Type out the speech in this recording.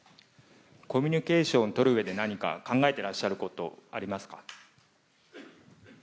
コミュニケーションを取る上で何か考えていらっしゃることはありますか？